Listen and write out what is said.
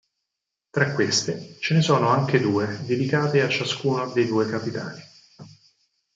Tra queste ce ne sono anche due dedicate a ciascuno dei due capitani.